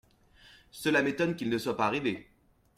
Cela m’étonne qu’il ne soit pas arrivé.